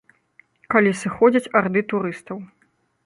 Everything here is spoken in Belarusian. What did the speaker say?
Калі сыходзяць арды турыстаў.